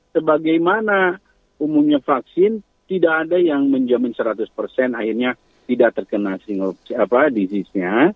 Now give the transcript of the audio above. sebagai mana umumnya vaksin tidak ada yang menjamin seratus akhirnya tidak terkena disease nya